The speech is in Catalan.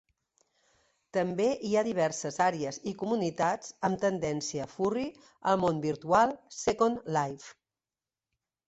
També hi ha diverses àrees i comunitats amb temàtica "furry" al món virtual "Second Life".